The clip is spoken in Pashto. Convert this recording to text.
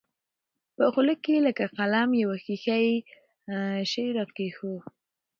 په خوله کښې يې لکه قلم يو ښيښه يي شى راکښېښوو.